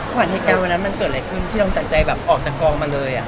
ขวัญในการวันนั้นมันเกิดอะไรขึ้นที่ต้องแต่ใจออกจากกองมาเลย